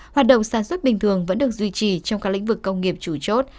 hoạt động sản xuất bình thường vẫn được duy trì trong các lĩnh vực công nghiệp chủ chốt